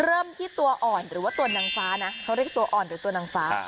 เริ่มที่ตัวอ่อนหรือว่าตัวนางฟ้านะเขาเรียกตัวอ่อนหรือตัวนางฟ้า